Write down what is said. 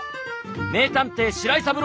名探偵白井三郎。